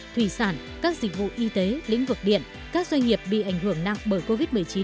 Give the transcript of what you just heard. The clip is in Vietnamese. thủy sản các dịch vụ y tế lĩnh vực điện các doanh nghiệp bị ảnh hưởng nặng bởi covid một mươi chín